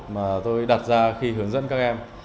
mà tôi đặt ra khi hướng dẫn các em